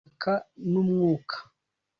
ubutaka n’umwuka